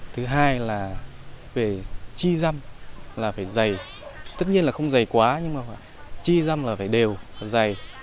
thứ hai là về chi dăm là phải dày tất nhiên là không dày quá nhưng mà chi răm là phải đều dày